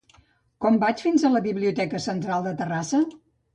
Com vaig fins a la biblioteca central de Terrassa?